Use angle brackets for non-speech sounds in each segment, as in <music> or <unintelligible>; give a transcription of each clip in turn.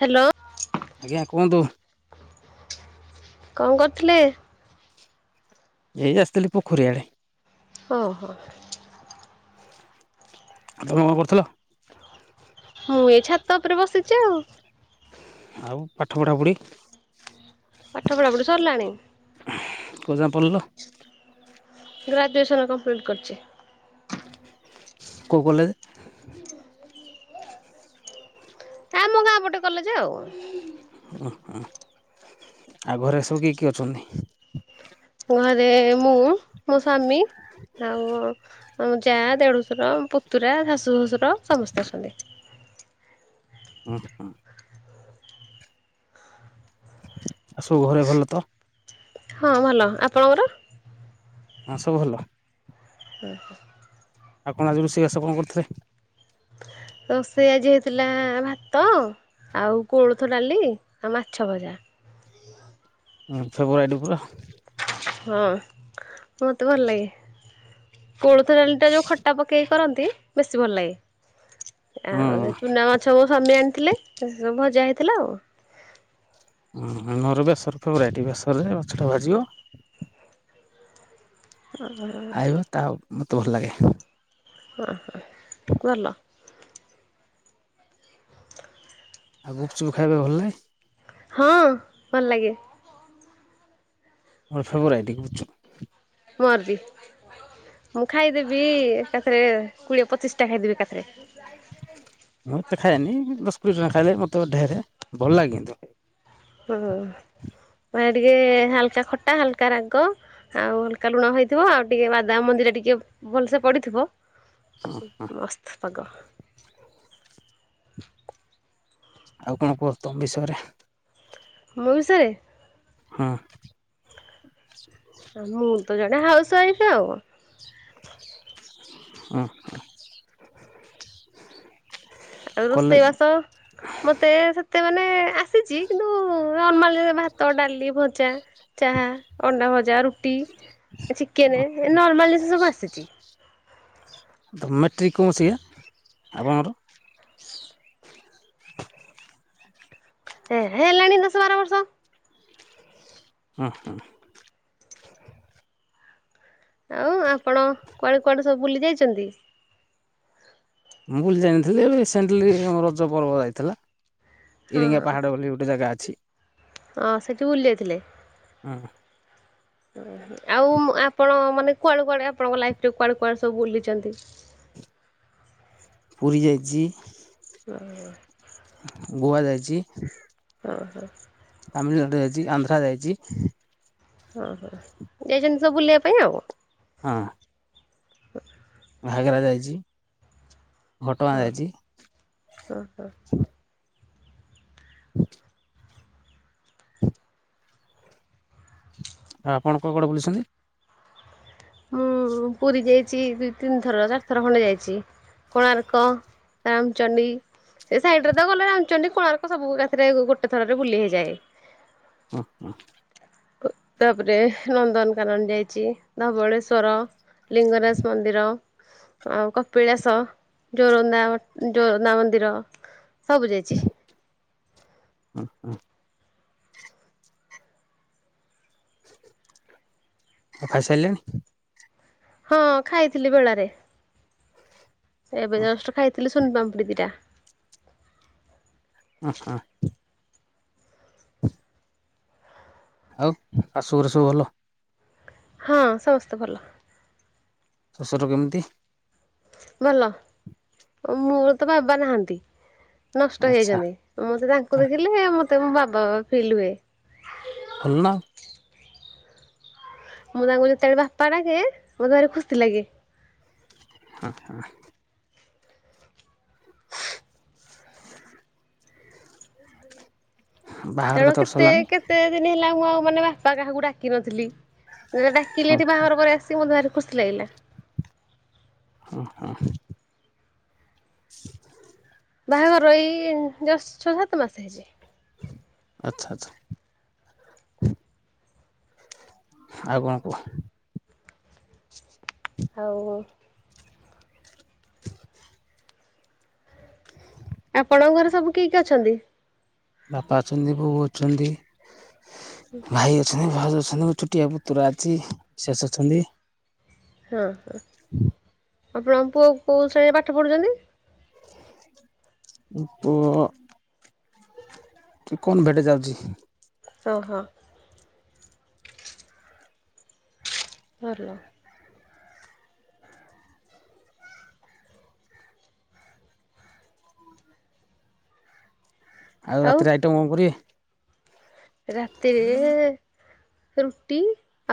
Hello. ଆଜ୍ଞା କୁହନ୍ତୁ। କଣ କରୁଥିଲେ। ଏଇ ଆସିଥିଲି ପୋଖରୀଆଡ଼େ। ଓ ହୋ। ତମେ କଣ କରୁଥିଲ। ହଉ ଏ ଛାତ ଉପରେ ବସିଛି ଆଉ। ଆଉ ପାଠ ପଢ଼ାପଢ଼ି। ପାଠ ପଢ଼ାପଢି ସରିଲାଣି। ପଜା ପଡ଼ିଲ। ଗ୍ରାଜୁଏସନ କମ୍ପ୍ଲିଟ କରିଚି। କୋଉ କଲେଜେ। ଆମ ଗାଁ ପଟେ କଲେଜେ ଆଉ। ଓ ହ ଆଉ ଘରେ ସବୁ କିଏ କିଏ ଅଛନ୍ତି। ଘରେ ମୁଁ ମୋ ସ୍ଵାମୀ ଆଉ ଆମ ଯା ଦେଢ଼ୁଶ୍ୱର ପୁତୁରା ଶାଶୁ ଶ୍ୱଶୁର ସମସ୍ତେ ଅଛନ୍ତି। ହୁଁ ହୁଁ। ଆସବୁ ଘରେ ଭଲ ତ। ହଁ ଭଲ ଆପଣଙ୍କର। ହଁ ସବୁ ଭଲ। ହୁଁ ହୁଁ। ଆପଣ ଆଜି ରୋଷେଇ ବାସ କଣ କରୁଥିଲେ। ରୋଷେଇ ଆଜି ହେଇଥିଲା ଭାତ ଆଉ କୋଳଥ ଡାଲି ଆଉ ମାଛ ଭଜା। ଉଁ ଫେବୁଆଡୁପୁରା। ହଁ ମତେ ଭଲ ଲାଗେ କୋଳଥଡାଲି ଟା ଯୋଉ ଖଟା ପକେଇ କରନ୍ତି ବେଶୀ ଭଲ ଲାଗେ ହୁଁ ଆଉ ଚୁନା ମା ସବୁ ସ୍ୱାମୀ ଆଣିଥିଲେ ସବୁ ଭଜା ହେଇଥିଲା ଆଉ। ହ ନର ବେସର ଫେ ରାଇଟି ବେସରରେ ମାଛଟା ଭାଜିବ। ହ। ଖାଇବ ତା ମୋତେ ଭଲ ଲାଗେ। ହ ହ ଭଲ। ଆଉ ଗୁପଚୁପ୍ ଖାଇବା ଭଲ ଲାଗେ। ହଁ ଭଲ ଲାଗେ। <unintelligible> ମର ବି। ମୁଁ ଖାଇଦେବି ଏକାଥରେ କୋଡିଏ ପଚିଶ ଟା ଖାଇଦେବି ଏକାଥରେ। ଯାଇ ଥିଲେ। ମଁତେ ଖଏନି ଦଶ କୋଡ଼ିଏ ଟଙ୍କା ଖାଇଲେ ମତେ ଢେରେ ଭଲ ଲାଗେ ନି। ହୁଁ ମାନେ ଟିକେ ହାଲକା ଖଟା ହାଲକା ରାଗ ଆଉ ହଲକା ଲୁଣ ହେଇଥିବ ଆଉ ଟିକେ ବାଦାମ ମନ୍ଦିରେ ଟିକେ ଭଲସେ ପଡିଥିବ ମସ୍ତ ପାଗ। ଆଉ କଣ କୁହ ତମ ବିଷୟରେ ମୋ ବିଷୟରେ ହଁ ମୁଁ ତ ଜଣେ ହାଉସ ୱାଇଫ ଆଉ। ଓ ଆଉ ରୋଷେଇ ବାସ ମତେ ସେତେ ମେ ଆସିଛି କିନ୍ତୁ ନର୍ମାଲି ଭାତ ଡାଲି ଭଜା ଚାହା ଅଣ୍ଡା ଭଜା ରୁଟି ଚିକେନ ନର୍ମାଲ ଜିନିଷ ସବୁ ଆସିଛି। ଆ ମେଟ୍ରିକକୁ ମୁ ସିଏ ଆପଣଙ୍କର? ହେ ହେ ହେଲାଣି ଦଶ ବାର ବର୍ଷ। ହ ହଁ ଆଉ ଆପଣ କୁଆଡେ କୁଆଡେ ସବୁ ବୁଲି ଯାଇଛନ୍ତି। ମୁଁ ବୋଲି ଜାଣିଥିଲି ରିସେଣ୍ଟଲି ରଜ ପର୍ବ ଯାଇଥିଲା। ହଁ ଇରିଙ୍ଗା ପାହାଡ ବୋଲି ଗୋଟେ ଜାଗା ଅଛି। ହଁ ସେଇଠି ବୁଲିଯାଇଥିଲେ। ହଁ ଓ ଆଉ ଆପଣ ମାନେ କୁଆଡେ କୁଆଡେ ଆପଣଙ୍କ ଲାଇଫ କୁଆଡେ କୁଆଡେ ସବୁ ବୁଲିଛନ୍ତି। ପୁରୀ ଯାଇଛି। <inaudible> ଗୋଆ ଯାଇଛି। ହଁ ହଁ ତାମିଲନାଡ଼ୁ ଯାଇଛି ଆନ୍ଧ୍ରା ଯାଇଛି। ହଁ ହଁ ଯାଇଛନ୍ତି ସବୁ ବୁଲିବା ପାଇଁ ଆଉ। ହଁ ଘଘରା ଯାଇଛି ଘଟଗାଁ ଯାଇଛି। ଓ ହୋ ହଁ ଆପଣ କୋଡେ କୋଡେ ବୁଲିସନ୍ତି। ହଁ ପୁରୀ ଯାଇଛି ଦୁଇ ତିନିଥର ଚାରି ଥର ଖଣ୍ଡେ ଯାଇଛି। କୋଣାର୍କ ରାମଚଣ୍ଡି। ସେ ସାଇଡ ରେ ତ ଗଲେ ରାନ୍ଧୁଛନ୍ତି କୋଣାର୍କ ସବୁରେ ଗୋଟେ ଥରରେ ବୁଲି ହେଇଯାଏ। ହ ହ ତାପରେ ନନ୍ଦନକାନନ ଯାଇଛି ଧବଳେଶ୍ୱର। ଲିଙ୍ଗରାଜ ମନ୍ଦିର। ଆଉ କପିଳାସ ଜୋରନ୍ଦା ଜୋରନ୍ଦା ମନ୍ଦିର ସବୁ ଯାଇଛି। ହଁ ହଁ ଖାଇସାରିଲେଣି। ହଁ ଖାଇଥିଲି ବେଳାରେ। ଏବେ ଜଷ୍ଟ୍ ଖାଇଥିଲି ସୁନପମ୍ପୁଡ଼ି ଦି ଟା। ଓ ଆଉ ଶାଶୁ ଘର ସବୁ ଭଲ। ହଁ ସମସ୍ତେ ଭଲ। ଶ୍ୱଶୁର କେମିତି? ଭଲ, ମୋର ତ ବାବା ନାହାନ୍ତି। ନଷ୍ଟ ଆଚ୍ଛା ହେଇଯାଇଛନ୍ତି, ମତେ ତାଙ୍କୁ ଦେଖିଲେ ମତେ ମୋ ବାବା ବାବା ଫିଲ୍ ହୁଏ। ଭଲ ନା। ମୁଁ ତାଙ୍କୁ ଯେତେବେଳେ ବାପା ଡାକେ ମତେ ଭାରି ଖୁସି ଲାଗେ। ଆଁ ହଁ। ବାହାଘର କାରଣ ବର୍ଷ କେତେ ହେଲାଣି? କେତେ ଦିନି ହେଲା ମୁଁ ଆଉ ମାନେ ବାପା କାହାକୁ ଡାକିିନଥିଲି। ମୁଁ ଯେତେବେଳେ ଡାକିଲି ଏଠି ବାହାଘର ପରେ ଆସିକି ମୋତେ ଭାରି ଖୁସି ଲାଗିଲା। ଉଁ ହୁଁ। ବାହାଘର ଏଇ ଜଷ୍ଟ ଛଅ ସାତ ମାସ ହେଇଛି। ଆଛା ଆଚ୍ଛା। ଆଉ କଣ କୁହ? ଆଉ। ଆପଣଙ୍କ ଘରେ ସବୁ କିଏ କିଏ ଅଛନ୍ତି? ବାପା ଅଛନ୍ତି, ବୋଉ ଅଛନ୍ତି, ଭାଇ ଅଛି। ଭାଉଜ ଅଛନ୍ତି, ମୋ ଛୋଟିଆ ପୁତୁରା ଅଛି, ଶେସ୍ ଅଛନ୍ତି। ହଁ ହଁ। ଆପଣଙ୍କ ପୁଅ କୋଉ ଶ୍ରେଣୀରେ ପାଠ ପଢ଼ୁଛନ୍ତି? ଉଁ ପୁଅ। କି କନଭେଟ୍ ଯାଉଛି। ଓ ହଁ। ଭଲ। ଆଉ ରାତିରେ ଆଇଟମ୍ କଁ କରିବେ? ରାତିରେ ରୁଟି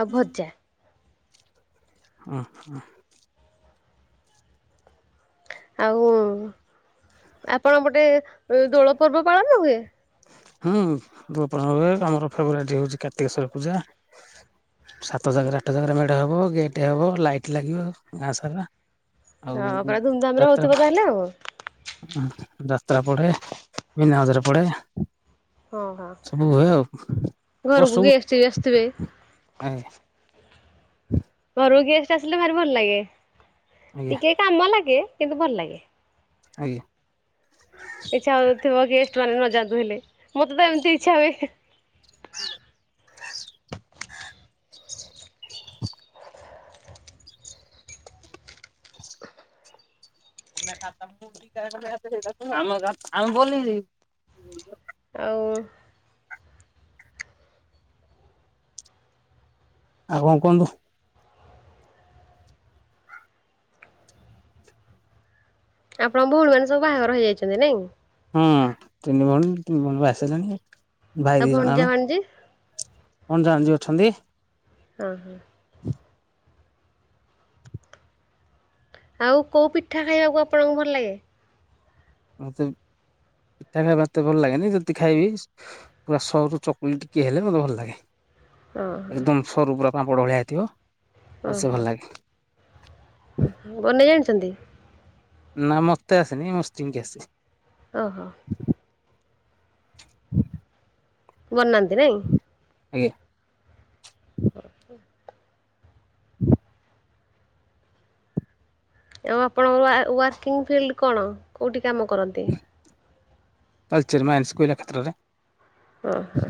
ଆଉ ଭଜା। ଅଁ ହଁ। ଆଉ ଆପଣଙ୍କ ପଟେ ଦୋଳ ପର୍ବ ପାଳନ ହୁଏ? ହୁଁ ଦୋଳ ପାଳନ ହୁଏ, ଆମର ଫେବରାଇଟ୍ ହଉଛି କାର୍ତ୍ତିକେଶ୍ୱର ପୂଜା। ସାତ ଜାଗାରେ ଆଠ ଜାଗାରେ ମେଢ ହବ, ଗେଟ୍ ହବ, ଲାଇଟ ଲାଗିବ ଗାଁ ସାରା। ଆଉ ହଁ, ପୁରା ଧୁମଧାମରେ ହଉଥିବ ତାହେଲେ ଆଉ। ହୁଁ ଯାତ୍ରା ପଡେ, ମିନା ବଜାର ପଡେ। ହଁ ହଁ ସବୁ ହୁଏ ଆଉ ଘରକୁ ବର୍ଷକୁ ଗେଷ୍ଟ ବି ଆସୁଥିବେ। ଆଜ୍ଞା। ଘରକୁ ଗେଷ୍ଟ ଆସିଲେ ଭାରି ଭଲ୍ ଲାଗେ, ଆଜ୍ଞା ଟିକେ କାମ ଲାଗେ କିନ୍ତୁ ଭଲ୍ ଲାଗେ। ଆଜ୍ଞା। ଇଚ୍ଛା ହଉଥିବ ଗେଷ୍ଟ ମାନେ ନ ଯାନ୍ତୁ ହେଲେ, ମତେ ତ ଏମିତି ଇଚ୍ଛା ହୁଏ। <unintelligible> ଆଉ। ଆଉ କଁ କୁହନ୍ତୁ? ଆପଣଙ୍କ ଭଉଣୀମାନେ ସବୁ ବାହାଘର ହେଇଯାଇଛନ୍ତି ନାଇଁ। ହୁଁ ତିନି ଭଉଣୀ ତିନି ଭଉଣୀ ବା ହେଇ ସାଇଲେଣି, ଭାଇ ଆଉ ଦି ଜଣ ଭଣଜା ଆମେ। ଭାଣିଜି? ଭଣଜା ଭାଣିଜୀ ଅଛନ୍ତି। ଅଁ ହଁ। ଆଉ କୋଉ ପିଠା ଖାଇବାକୁ ଆପଣଙ୍କୁ ଭଲ ଲାଗେ? ମତେ ପିଠା ଖାଇବାକୁ ଏ ତେ ଭଲ ଲାଗେନି, ଯଦି ଖାଇବି। ପୁରା ସରୁ ଚକୁଳି ଟିକିଏ ହେଲେ ମୋତେ ଭଲ ଲାଗେ। ଓହୋ ଏକଦମ୍ ସରୁ ପୁରା ପାମ୍ପଡ ଭଳିଆ ହେଇଥିବ ଆଉ ସେ ଭଲ ଲାଗେ। ଅହ ବନେଇ ଜାଣିଛନ୍ତି? ନା ମତେ ଆସେନି ମୋ ସ୍ତ୍ରୀ ଙ୍କି ଆସେ। ଓହୋ। ବନାନ୍ତି ନାଇଁ। ଆଜ୍ଞା। <unintelligible> ଆଉ ଆପଣଙ୍କ ୱା ୱାର୍କିଂ ଫିଲ୍ଡ କଣ କଉଠି କାମ କରନ୍ତି? ତାଳଚେର ମାଇନିସ୍ କୋଇଲା କ୍ଷେତ୍ରରେ। ଅଁ ହ।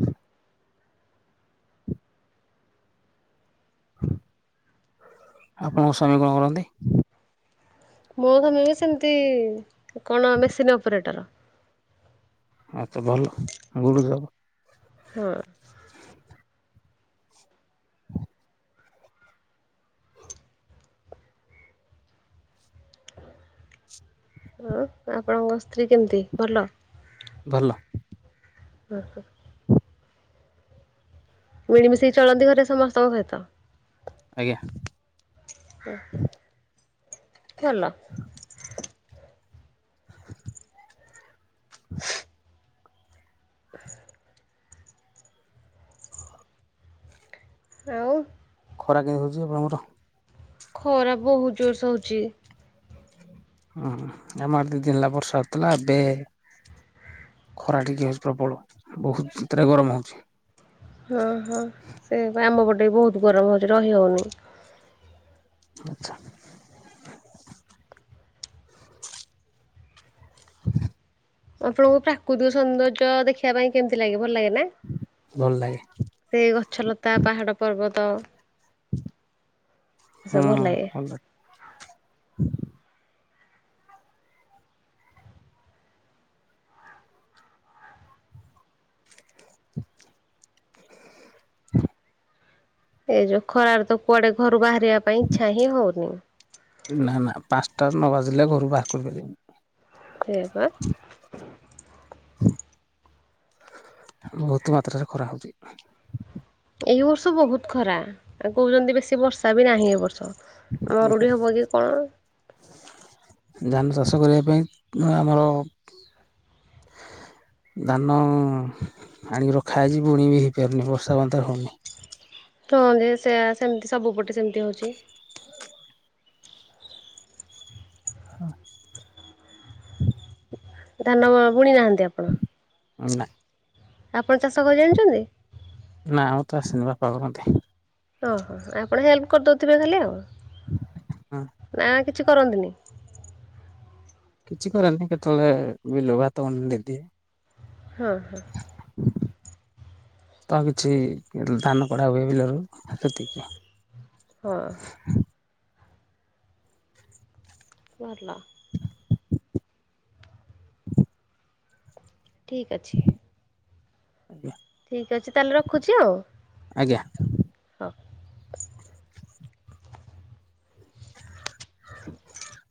ହୁଁ। ଆପଣଙ୍କ ସ୍ୱାମୀ କଣ କରନ୍ତି? ମୋ ସ୍ୱାମୀ ବି ସେମତି କଣ ମେସିନି ଅପରେଟର। ଆଛା ଭଲ <unintelligible> ଜବ ହଁ। ହଁ ଆପଣଙ୍କ ସ୍ତ୍ରୀ କେମିତି ଭଲ? ଭଲ। ଅ ହଁ। ମିଳିମିଶିକି ଚଳନ୍ତି ଘରେ ସମସ୍ତଙ୍କ ସହିତ? ଆଜ୍ଞା। ଭଲ। ହଁ। ଆଉ। ଖରା କେମିତି ହଉଛି ଆପଣଙ୍କର? ଖରା ବହୁତ ଜୋରସେ ହଉଛି। ହଁ ଆମ ଆଡେ ଦି ଦିନ ହେଲା ବର୍ଷା ହଉଥିଲା ଏବେ। ଖରା ଟିକିଏ ପ୍ରବଳ ବହୁତ ଭିତରେ ଗରମ ହଉଛି। ହଁ ହଁ ସେ ବା ଆମ ପଟେ ବି ବହୁତ ଗରମ ହଉଛି ରହି ହଉନି। ଆଚ୍ଛା। ହଁ। ଆପଣଙ୍କୁ ପ୍ରାକୃତିକ ସୌନ୍ଦର୍ଯ୍ୟ ଦେଖିବା ପାଇଁ କେମିତି ଲାଗେ ଭଲ ଲାଗେ ନା? ଭଲ ଲାଗେ। ସେଇ ଗଛଲତା ପାହାଡ଼ ପର୍ବତ। ଏସବୁ ହଁ, ଭଲ ଲାଗେ। ଭଲଲା ଏ ଯୋଉ ଖରାରେ ତ କୁଆଡେ ଘରୁ ବାହାରିବା ପାଇଁ ଇଚ୍ଛା ହିଁ ହଉନି। ନା ନା ପାଞ୍ଚଟା ନ ବାଜିଲେ ଘରୁ ବାହାର କରିପାରିବେନି। ସେ ବା। ବହୁତୁ ମାତ୍ରାରେ ଖରା ହଉଛି। ଏଇ ବର୍ଷ ବହୁତ ଖରା ଆଉ କହୁଛନ୍ତି ବେଶୀ ବର୍ଷା ବି ନାହିଁ ଏ ବର୍ଷ। ମରୁଡ଼ି ହବ କି କଣ? ଧାନ ଚାଷ କରିବା ପାଇଁ ଆମର ଧାନ ଆଣିକି ରଖା ହେଇଜି ବୁଣି ବି ହେଇପାରୁନି ବର୍ଷା ମାତ୍ର ହଉନି। ହୁହ ଯେ ସେ ସେମିତି ସବୁ ପଟେ ସେମିତି ହଉଛି। ହଁ। ଧାନ ବୁଣି ନାହାନ୍ତି ଆପଣ? ଅ ନା। ଆପଣ ଚାଷ କରି ଜାଣିଛନ୍ତି? ନା, ଆଉ ତ ଆସେନି ବାପା କୁ ମତେ। ଓ। ହଁ ଆପଣ ହେଲ୍ପ କରିଦଉଥିବେ ଖାଲି ଆଉ? ହଁ। ନାଁ କିଛି କରନ୍ତିନି। କିଛି କରନ୍ତିନି କେତେବେଳେ ବିଲକୁ ଭାତଗଣ୍ଡେ ଦେଇଦିଏ। ହଁ ହଁ। ତା କିଛି ଧାନ କଢା ହୁଏ ବିଲରେ ସେତିକି ହଁ। ଭଲ। ଠିକ୍ ଅଛି। ୟା। ଠିକ୍ ଅଛି ତାହେଲେ ରଖୁଛି ଆଉ ଆଜ୍ଞା। ହଁ। <inaudible> <unintelligible>